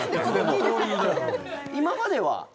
今までは？